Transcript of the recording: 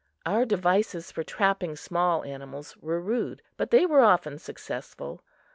Our devices for trapping small animals were rude, but they were often successful.